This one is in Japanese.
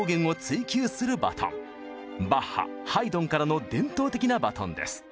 バッハハイドンからの伝統的なバトンです。